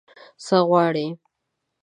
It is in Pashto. _څه غواړې؟